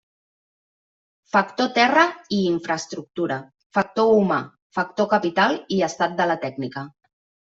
Factor terra i infraestructura, factor humà, factor capital i estat de la tècnica.